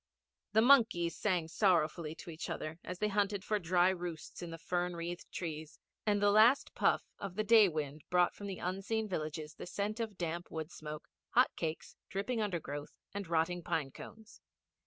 The monkeys sang sorrowfully to each other as they hunted for dry roosts in the fern wreathed trees, and the last puff of the day wind brought from the unseen villages the scent of damp wood smoke, hot cakes, dripping undergrowth, and rotting pine cones.